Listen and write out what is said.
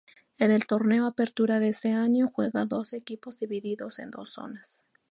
En el Torneo Apertura de ese año juegan doce equipos divididos en dos zonas.